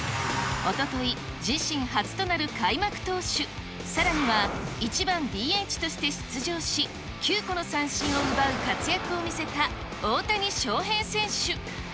おととい、自身初となる開幕投手、さらには１番ＤＨとして出場し、９個の三振を奪う活躍を見せた大谷翔平選手。